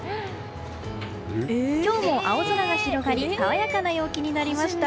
今日も青空が広がり爽やかな陽気になりました。